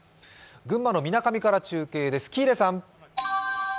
群馬のみなかみから中継です。